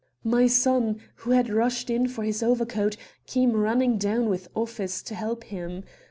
"My son, who had rushed in for his overcoat, came running down with offers to help him.